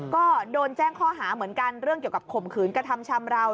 ก็โดนแจ้งข้อหาเหมือนกันเรื่องเกี่ยวกับข่มขืนกระทำชำราว